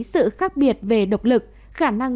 sự khác biệt về độc lực khả năng